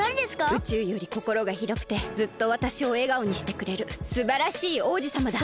宇宙よりこころがひろくてずっとわたしをえがおにしてくれるすばらしい王子さまだ。